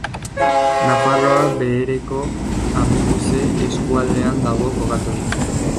Nafarroa Behereko Amikuze eskualdean dago kokaturik.